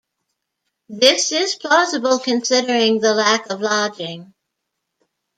This is plausible, considering the lack of lodging.